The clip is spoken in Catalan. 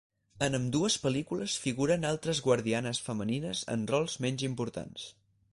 En ambdues pel·lícules figuren altres guardianes femenines en rols menys importants.